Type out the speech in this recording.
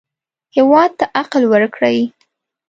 هېواد ته عقل ورکړئ